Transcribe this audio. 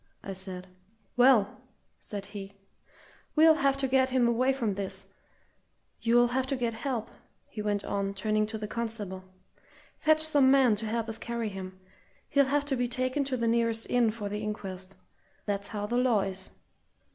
I said. "Well," said he, "we'll have to get him away from this. You'll have to get help," he went on, turning to the constable. "Fetch some men to help us carry him. He'll have to be taken to the nearest inn for the inquest that's how the law is.